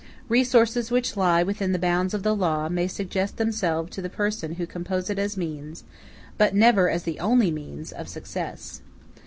Resources which lie within the bounds of the law may suggest themselves to the persons who compose it as means, but never as the only means, of success.